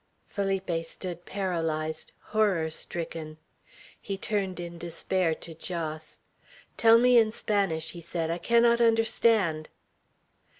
Felipe stood paralyzed, horror stricken. He turned in despair to Jos. "Tell me in Spanish," he said. "I cannot understand."